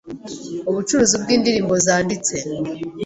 ubucuruzi bw’indirimbo zanditse